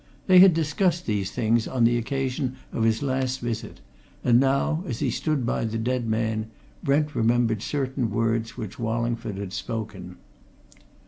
They had discussed these things on the occasion of his last visit, and now, as he stood by the dead man, Brent remembered certain words which Wallingford had spoken.